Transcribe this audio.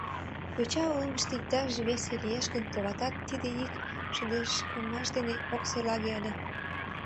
Йоча олмышто иктаж весе лиеш гын, товатат, тиде ик шыдешкымаш дене ок серлаге ыле.